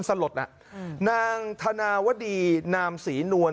สวัสดีนามศรีนวล